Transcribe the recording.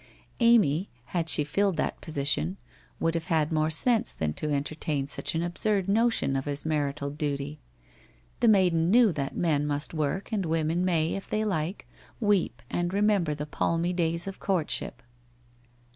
Amy, had she filled that position, would have had more sense than to entertain such an absurd notion of his marital duty. The maiden knew that men must work and women may, if they like, weep, and remember the palmy days of courtship